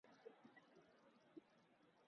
کیا اس مسئلے پر کسی کی توجہ ہے؟